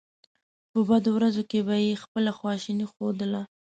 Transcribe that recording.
په بدو ورځو کې به یې خپله خواشیني ښودله.